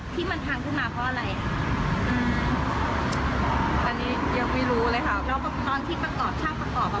ที่มันพังขึ้นมาเพราะอะไรอืมอันนี้ยังไม่รู้เลยค่ะแล้วตอนที่ประกอบช่างประกอบอ่ะ